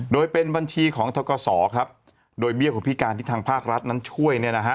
โดยเป็นบัญชีของทกศครับโดยเบี้ยของพิการที่ทางภาครัฐนั้นช่วยเนี่ยนะฮะ